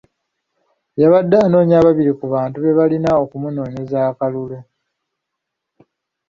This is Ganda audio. Yabadde anoonya ababiri ku bantu be abalina okumunoonyeza akalulu.